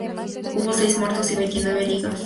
Hubo seis muertos y veintinueve heridos.